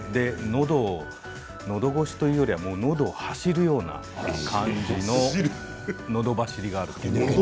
のどをのどごしというよりはのどを走るような感じののど走りが。